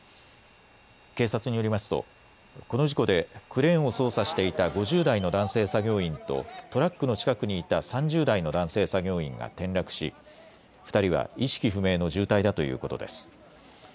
警察によりますとこの事故でクレーンを操作していた５０代の男性作業員とトラックの近くにいた３０代の男性作業員が転落し２人は意識不明の重体だということです。